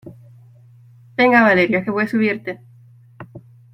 venga, Valeria , que voy a subirte.